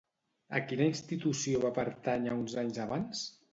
A quina institució va pertànyer uns anys abans?